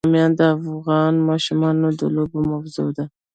بامیان د افغان ماشومانو د لوبو موضوع ده.